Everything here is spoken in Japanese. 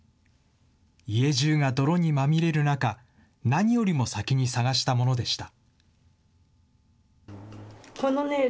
家中が泥にまみれる中、何よりも先に探したものでした。